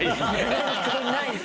ないです。